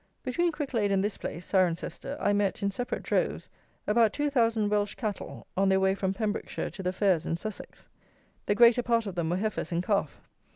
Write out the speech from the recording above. Between Cricklade and this place (Cirencester) I met, in separate droves, about two thousand Welsh Cattle, on their way from Pembrokeshire to the fairs in Sussex. The greater part of them were heifers in calf.